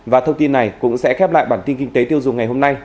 và thông tin này cũng sẽ khép lại bản tin kinh tế tiêu dùng ngày hôm nay